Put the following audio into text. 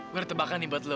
gue ada tebakan nih buat lo